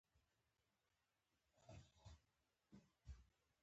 زه د بدو عادتو مخنیوی کوم.